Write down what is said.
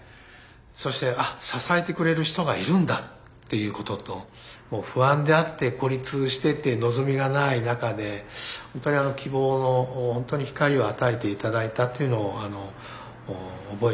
そして「あっ支えてくれる人がいるんだ」っていうことと不安であって孤立してて望みがない中でほんとに希望の光を与えて頂いたというのを覚えています。